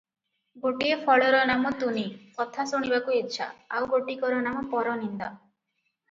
ଗୋଟିଏ ଫଳର ନାମ ତୁନି କଥା ଶୁଣିବାକୁ ଇଚ୍ଛା, ଆଉ ଗୋଟିକର ନାମ ପରନିନ୍ଦା ।